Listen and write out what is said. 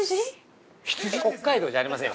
◆北海道じゃないありませんよ